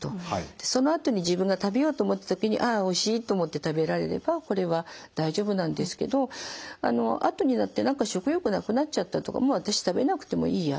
でそのあとに自分が食べようと思った時に「ああおいしい」と思って食べられればこれは大丈夫なんですけどあとになって何か食欲なくなっちゃったとかもう私食べなくてもいいや。